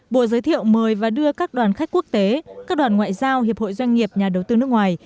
bộ giới thiệu mời và đưa các đoàn khách quốc tế các đoàn ngoại giao hiệp hội doanh nghiệp nhà đầu tư nước ngoài